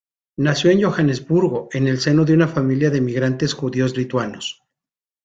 Nació en Johannesburgo en el seno de una familia de emigrantes judíos lituanos.